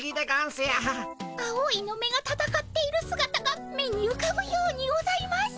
青いのめがたたかっているすがたが目にうかぶようにございます。